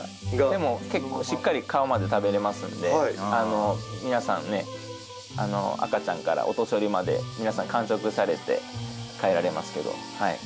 でも結構しっかり皮まで食べれますんで皆さんね赤ちゃんからお年寄りまで皆さん完食されて帰られますけどはい。